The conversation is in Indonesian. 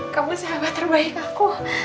kamu sahabat terbaik aku